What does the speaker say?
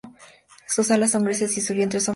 Sus alas son grises y su vientre y flancos son rojos.